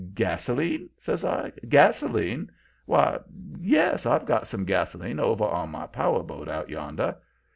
'Gasoline?' says I. 'Gasoline? Why, yes; I've got some gasoline over on my power boat out yonder.